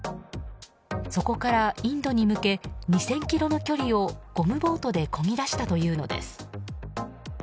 そこからインドに向け２０００ｋｍの距離をゴムボートでこぎ出したというのです。